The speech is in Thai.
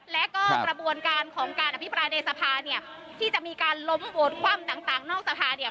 และก็กระบวนการของการอภิปรายในสภาเนี่ยที่จะมีการล้มโหวตคว่ำต่างนอกสภาเนี่ย